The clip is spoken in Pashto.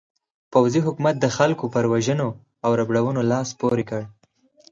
پوځي حکومت د خلکو پر وژنو او ربړونو لاس پورې کړ.